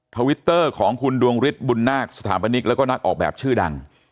ทวิตเตอร์ของคุณดวงฤทธิบุญนาคสถาปนิกแล้วก็นักออกแบบชื่อดัง